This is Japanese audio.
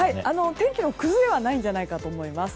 天気の崩れはないんじゃないかと思います。